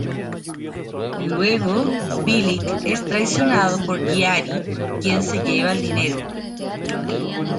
Luego Bellick es traicionado por Geary, quien se lleva el dinero.